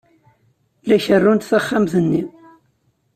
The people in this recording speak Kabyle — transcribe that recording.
La kerrunt taxxamt-nni.